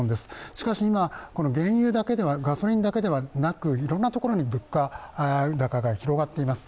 しかし今、原油、ガソリンだけではなく、いろいろなところに物価高が広がっています。